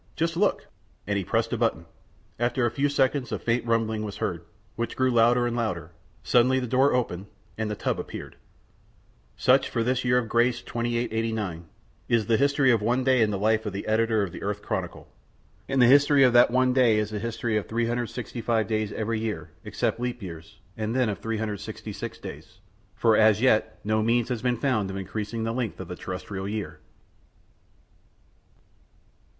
Just look!" and he pressed a button. After a few seconds a faint rumbling was heard, which grew louder and louder. Suddenly the door opened, and the tub appeared. Such, for this year of grace 2889, is the history of one day in the life of the editor of the Earth Chronicle. And the history of that one day is the history of 365 days every year, except leap years, and then of 366 days for as yet no means has been found of increasing the length of the terrestrial year.